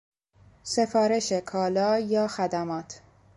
سفارش کالا یا خدمات